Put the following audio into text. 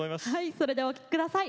それではお聴き下さい。